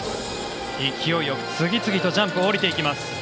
勢いよく次々とジャンプを降りていきます。